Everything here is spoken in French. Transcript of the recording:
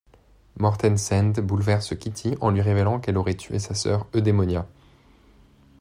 Mortensend bouleverse Kitty en lui révélant qu’elle aurait tué sa sœur Eudémonia.